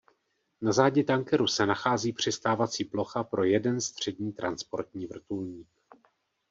Na zádi tankeru se nachází přistávací plocha pro jeden střední transportní vrtulník.